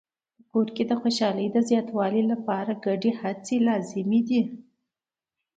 په کورنۍ کې د خوشحالۍ د زیاتولو لپاره ګډې هڅې اړینې دي.